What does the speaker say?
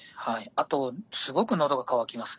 あとすごくのどが渇きますね。